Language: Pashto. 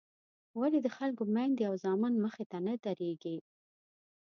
ولې د خلکو میندې او زامن مخې ته نه درېږي.